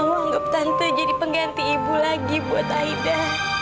anggap tante jadi pengganti ibu lagi buat aida